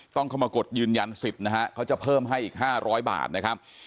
ต้องเข้ามากดยืนยันสิทธิ์นะฮะเขาจะเพิ่มให้อีก๕๐๐บาทนะครับ